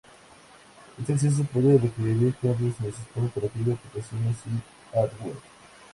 Este acceso puede requerir cambios en el sistema operativo, aplicaciones y hardware.